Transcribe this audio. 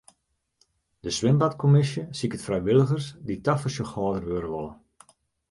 De swimbadkommisje siket frijwilligers dy't tafersjochhâlder wurde wolle.